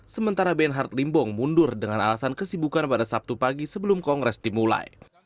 sementara benhard limbong mundur dengan alasan kesibukan pada sabtu pagi sebelum kongres dimulai